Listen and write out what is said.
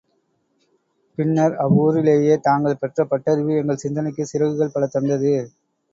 பின்னர், அவ்வூரிலேயே தாங்கள் பெற்ற பட்டறிவு எங்கள் சிந்தனைக்குச் சிறகுகள் பல தந்தது.